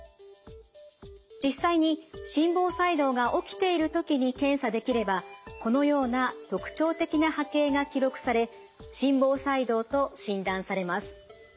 実際に心房細動が起きている時に検査できればこのような特徴的な波形が記録され心房細動と診断されます。